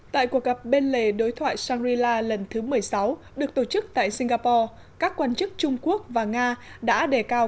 tại cuộc gặp bên lề đối thoại shangri la lần thứ một mươi sáu được tổ chức tại singapore các quan chức trung quốc và nga đã đề cao